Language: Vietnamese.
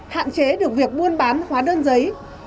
hạn chế được việc buôn bán hóa đơn giấy